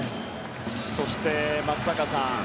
そして、松坂さん